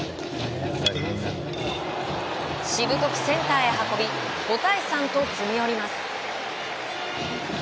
しぶとくセンターへ運び５対３と詰め寄ります。